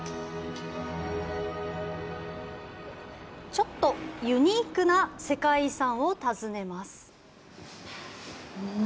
ちょっとユニークな世界遺産を訪ねます。